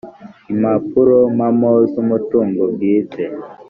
impapurompamo z umutungo bwite